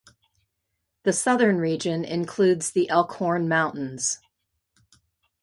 The southern region includes the Elkhorn Mountains.